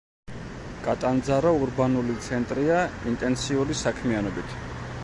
კატანძარო ურბანული ცენტრია, ინტენსიური საქმიანობით.